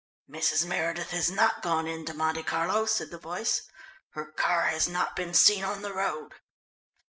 "Mrs. Meredith has not gone in to Monte Carlo," said the voice. "Her car has not been seen on the road."